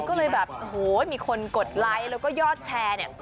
ก็เลยแบบโอ้โหมีคนกดไลค์แล้วก็ยอดแชร์เนี่ย